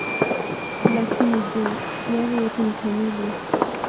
Lakini je, hiari yetu ni kamili?